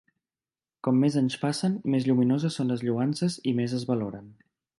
Com més anys passen, més lluminoses són les lloances i més es valoren.